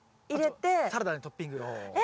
あとサラダにトッピング。え！